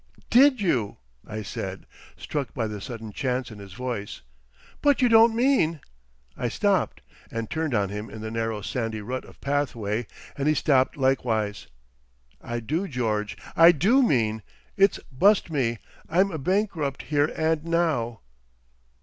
"Did you?" I said, struck by the sudden chance in his voice. "But you don't mean?" I stopped and turned on him in the narrow sandy rut of pathway and he stopped likewise. "I do, George. I do mean. It's bust me! I'm a bankrupt here and now."